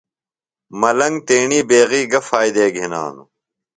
ملنگ تیݨی بیغیۡ گہ فائدے گِھنانوۡ؟